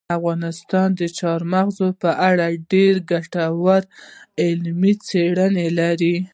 افغانستان د چار مغز په اړه ډېرې ګټورې علمي څېړنې لري.